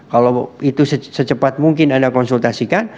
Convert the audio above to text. kalau itu secepat mungkin anda konsultasikan